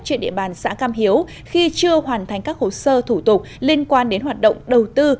trên địa bàn xã cam hiếu khi chưa hoàn thành các hồ sơ thủ tục liên quan đến hoạt động đầu tư